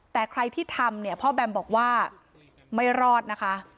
แต่ใครที่ทำเนี่ยพ่อแบมบอกว่าไม่รอดนะคะ